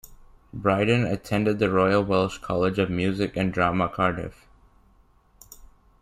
Brydon attended the Royal Welsh College of Music and Drama, Cardiff.